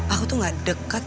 aku tuh gak dekat